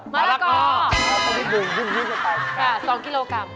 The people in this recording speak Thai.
๒กิโลกรัม